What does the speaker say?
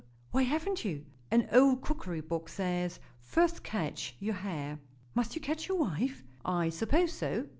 "Why haven't you?" "An old cookery book says, 'First catch your hare.'" "Must you catch your wife?" "I suppose so."